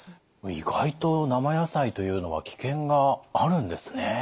意外と生野菜というのは危険があるんですね。